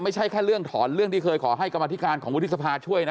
ไม่ใช่แค่เรื่องถอนเรื่องที่เคยขอให้กรรมธิการของวุฒิสภาช่วยนะ